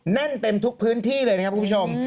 แน่นเต็มทุกพื้นที่เลยนะครับคุณผู้ชม